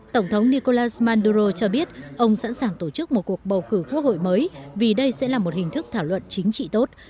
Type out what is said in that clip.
tổng thống nicolas manduro cho biết ông sẵn sàng tổ chức một cuộc bầu cử quốc hội mới vì đây sẽ là một hình thức thảo luận chính trị tốt